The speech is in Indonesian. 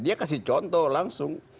dia kasih contoh langsung